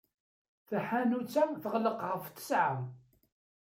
Taḥanut-a tɣelleq ɣef ttesɛa.